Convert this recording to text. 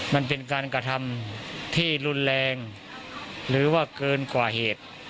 มันเป็นการกระทำที่รุนแรงหรือว่าเกินกว่าเหตุ